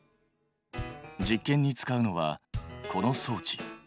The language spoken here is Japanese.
実験に使うのはこの装置。